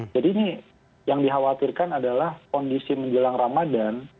jadi ini yang dikhawatirkan adalah kondisi menjelang ramadan